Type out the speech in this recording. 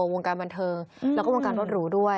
วงการบันเทิงแล้วก็วงการรถหรูด้วย